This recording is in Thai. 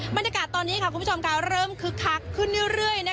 บรรยากาศตอนนี้เริ่มคึกคักขึ้นเรื่อย